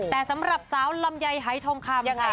แต่สำหรับสาวลำไยหายทองคำค่ะ